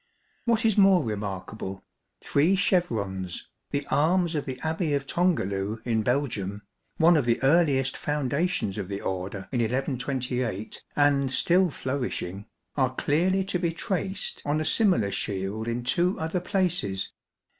What is more remarkable: three chevrons, the arms of the Abbey of Tongerloo in Belgium, one of the earliest foundations of the Order in 1128 and still flourishing, are clearly to be traced on a similar shield in two other places.